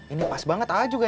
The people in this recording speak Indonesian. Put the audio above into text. ini pas banget ah juga